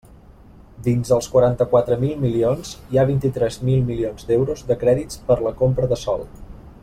Dins els quaranta-quatre mil milions hi ha vint-i-tres mil milions d'euros de crèdits per la compra de sòl.